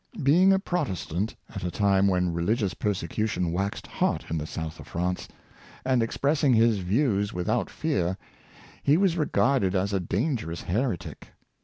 Being a Protestant, at a time when religious persecution waxed hot in the south of France, and ex pressing his views without fear, he was regarded as a dangerous heretic.